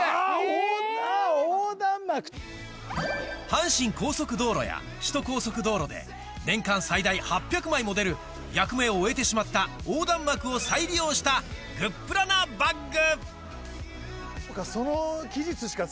阪神高速道路や首都高速道路で年間最大８００枚も出る役目を終えてしまった横断幕を再利用したグップラなバッグそうそう！